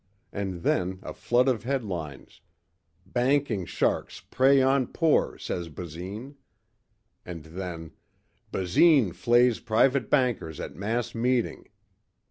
And then a flood of headlines, "Banking Sharks Prey on poor, says Basine."... And then "Basine Flays Private Bankers at Mass Meeting...."